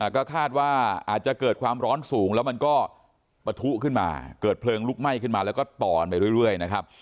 ก็คาดว่าอาจจะเกิดความร้อนสูงแล้วมันก็ปะทุขึ้นมาเกิดเพลิงลุกไหม้ขึ้นมาแล้วก็ต่อกันไปเรื่อยนะครับ